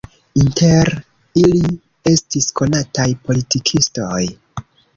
Inter ili estis konataj politikistoj.